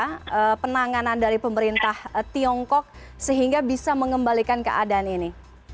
apakah ini adalah pula penanganan dari pemerintah tiongkok sehingga bisa mengembalikan keadaan ini